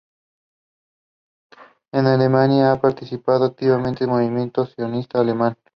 En Alemania, participó activamente en el Movimiento Sionista Alemán.